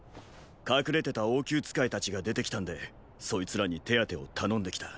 隠れてた王宮仕えたちが出てきたんでそいつらに手当てを頼んできた。